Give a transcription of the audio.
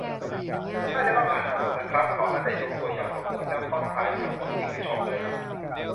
น่าจะต้องอ่านทั้งหมดนะครับ เขาน่าจะยกตัวอย่างสมมติ แล้วท่อนท้ายทั้งหมดนี่คือชมเลยนะ